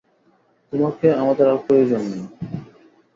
তোমাকে আমাদের আর প্রয়োজন নেই।